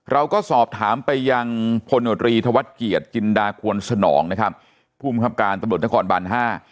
เราก็สอบถามไปยังพรีธวัฒน์เกียจกินดาควนสนองผู้มีความการตำรวจนครบัน๕